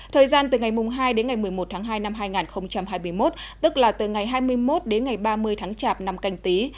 thời gian từ ngày hai đến ngày một mươi một tháng hai năm hai nghìn hai mươi một tức là từ ngày hai mươi một đến ngày ba mươi tháng chạp năm canh tí